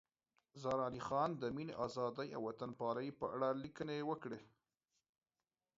زار علي خان د مینې، ازادۍ او وطن پالنې په اړه لیکنې وکړې.